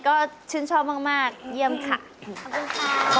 ขออีกทีมา